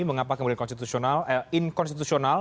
mengapa kembali inkonstitusional